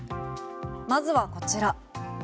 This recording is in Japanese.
まずはこちら。